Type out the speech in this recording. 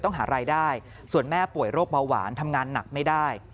หารายได้ส่วนแม่ป่วยโรคเบาหวานทำงานหนักไม่ได้